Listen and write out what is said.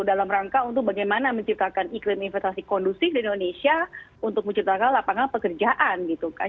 dalam rangka untuk bagaimana menciptakan iklim investasi kondusif di indonesia untuk menciptakan lapangan pekerjaan gitu kan